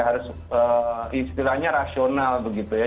harus istilahnya rasional begitu ya